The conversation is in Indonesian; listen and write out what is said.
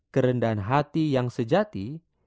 kerendahan hati yang sejati